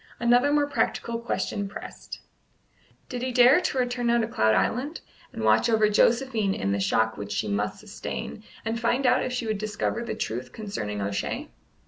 Another more practical question pressed. Did he dare to return now to Cloud Island, and watch over Josephine in the shock which she must sustain, and find out if she would discover the truth concerning O'Shea?